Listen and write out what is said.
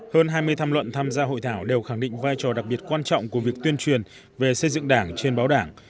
hơn hai mươi tham luận tham gia hội thảo đều khẳng định vai trò đặc biệt quan trọng của việc tuyên truyền về xây dựng đảng trên báo đảng